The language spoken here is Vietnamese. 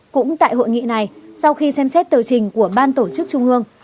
cũng tại hội nghị này sau khi xem xét tờ trình của ban tổ chức trung ương